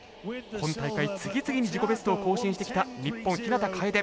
今大会、次々に自己ベストを更新してきた日本、日向楓。